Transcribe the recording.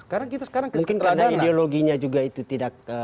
mungkin karena ideologinya juga itu tidak terlalu